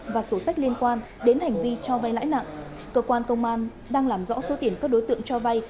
và sổ sách liên quan đến hành vi cho vay lãi nặng cơ quan công an đang làm rõ số tiền các đối tượng cho vay